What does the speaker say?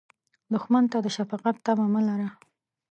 دښمن ته د شفقت تمه مه لره